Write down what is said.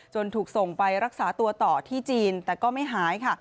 ถูกส่งไปรักษาตัวต่อที่จีนแต่ก็ไม่หายค่ะ